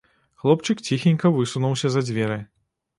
Хлопчык ціхенька высунуўся за дзверы.